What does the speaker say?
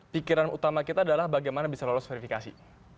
pikiran utama kita adalah bagaimana bisa lolos verifikasi